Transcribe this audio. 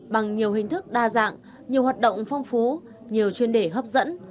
bằng nhiều hình thức đa dạng nhiều hoạt động phong phú nhiều chuyên đề hấp dẫn